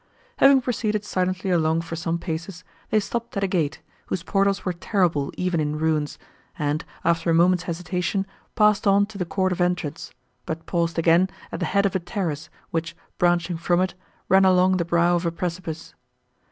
Having proceeded silently along for some paces, they stopped at a gate, whose portals were terrible even in ruins, and, after a moment's hesitation, passed on to the court of entrance, but paused again at the head of a terrace, which, branching from it, ran along the brow of a precipice.